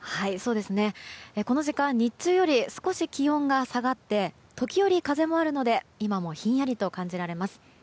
この時間、日中より少し気温が下がって時折、風もあるので今もひんやりと感じられます。